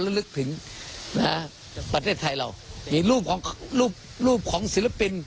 แล้วลึกถึงนะฮะประเทศไทยเรามีรูปของรูปรูปของศิลปิน